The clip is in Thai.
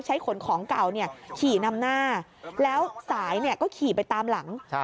ขนของเก่าขี่นำหน้าแล้วสายก็ขี่ไปตามหลัง